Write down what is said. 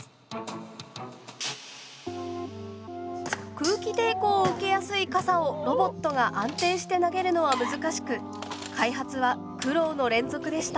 空気抵抗を受けやすい傘をロボットが安定して投げるのは難しく開発は苦労の連続でした。